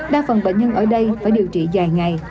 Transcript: đa phần bệnh nhân ở đây phải điều trị dài ngày